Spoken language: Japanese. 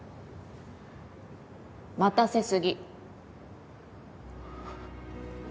待たせ過ぎ。